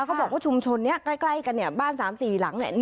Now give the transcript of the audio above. เขาบอกว่าชุมชนนี้ใกล้กับบ้านสามสี่หลัง